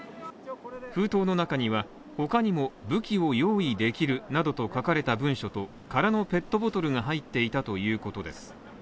封筒の中には、他にも、武器を用意できるなどと書かれた文書と空のペットボトルが入っていたということです